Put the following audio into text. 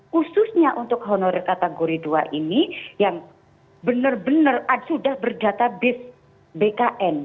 khususnya untuk honorer kategori dua ini yang benar benar sudah berdata base bkn